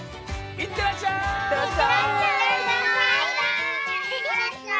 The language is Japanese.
いってらっしゃい！